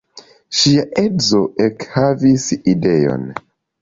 Ŝia edzo ekhavis ideon.